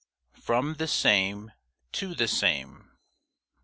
FROM THE SAME TO THE SAME.